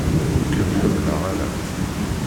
Ur kem-ḥemmleɣ ara!